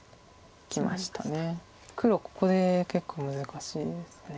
黒ここで結構難しいです。